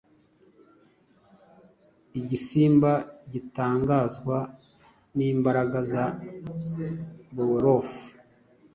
Igisimba gitangazwa nimbaraga za Beowulf